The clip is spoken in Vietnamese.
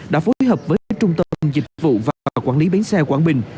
đã phối hợp với trung tâm dịch vụ và quản lý bến xe quảng bình